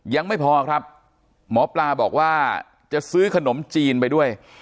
ยังไม่พอครับหมอปลาบอกว่าจะซื้อขนมจีนไปด้วย